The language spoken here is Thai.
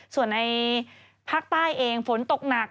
ส่วนในภาคใต้เองฝนตกหนัก